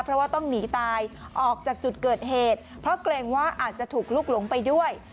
เพราะว่าต้องหนีตายออกจากจุดเกิดเหตุเพราะเกรงว่าอาจจะถูกลุกหลงไปด้วย